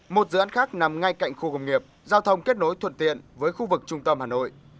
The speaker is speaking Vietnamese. một dự án khác nằm ngay cạnh khu công nghiệp giao thông kết nối thuận tiện với khu vực trung tâm hà nội